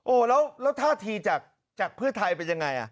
แล้วท่าทีจากเพื่อไทยเป็นยังไง